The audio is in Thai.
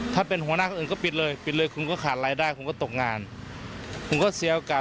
ถ้าเป็นหัวหน้าคนอื่นก็ปิดเลยปิดเลยคุณก็ขาดรายได้คุณก็ตกงานผมก็เสียโอกาส